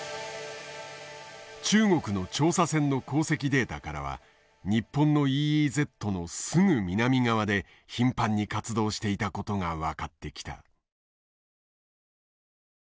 中国の調査船の航跡データからは日本のＥＥＺのすぐ南側で頻繁に活動していたことが分かってきた。